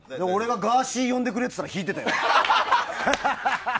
俺が、がーしー呼んでくれって言ったら、引いてたよ。